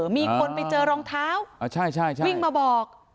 มีคนไปเจอรองเท้าวิ่งมาบอก